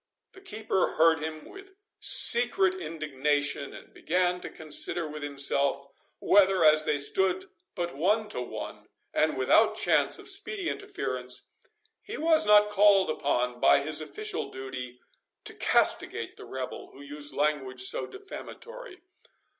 The keeper heard him with secret indignation, and began to consider with himself, whether, as they stood but one to one, and without chance of speedy interference, he was not called upon, by his official duty, to castigate the rebel who used language so defamatory.